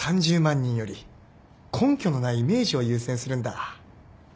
人より根拠のないイメージを優先するんだ。